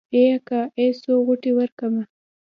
ای اکا ای څو غوټې ورکمه.